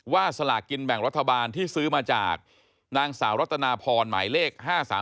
สลากกินแบ่งรัฐบาลที่ซื้อมาจากนางสาวรัตนาพรหมายเลข๕๓